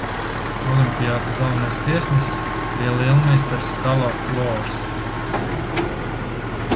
Olimpiādes galvenais tiesnesis bija lielmeistars Salo Flors.